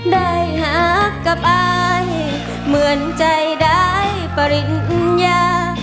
ได้หากับอายเหมือนใจได้ปริญญา